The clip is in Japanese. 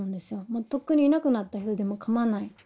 もうとっくにいなくなった人でも構わない。